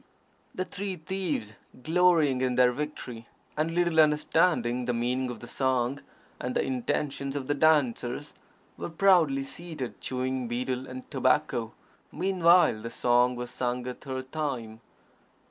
The three thieves, glorying in their victory, and little understanding the meaning of the song and the intentions of the dancers, were proudly seated chewing betel and tobacco. Meanwhile the song was sung a third time.